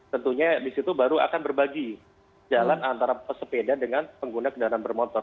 tentunya di situ baru akan berbagi jalan antara pesepeda dengan pengguna kendaraan bermotor